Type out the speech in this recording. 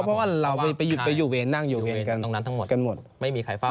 เพราะว่าเราไปอยู่เวรนั่งอยู่เวรกันตรงนั้นทั้งหมดกันหมดไม่มีใครเฝ้า